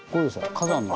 火山の。